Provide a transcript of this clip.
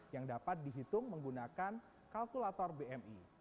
yang dapat dihitung menggunakan kalkulator bmi